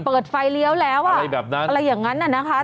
เปิดไฟเลี้ยวแล้วอะอะไรอย่างนั้นน่ะนะครับ